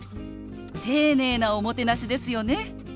丁寧なおもてなしですよね。